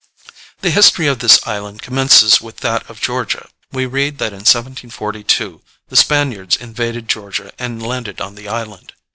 The history of this island commences with that of Georgia. We read that in 1742 the Spaniards invaded Georgia and landed on the island.